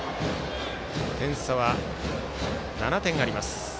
点差は７点あります。